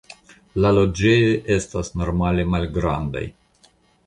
La loĝejoj estas normale malgrandaj.